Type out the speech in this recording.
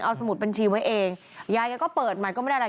เอาสมุดบัญชีไว้เองยายแกก็เปิดใหม่ก็ไม่ได้อะไร